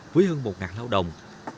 với hơn một ngàn lao động